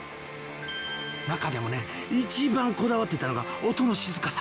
中でもね一番こだわっていたのが音の静かさ。